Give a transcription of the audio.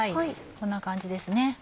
こんな感じですね。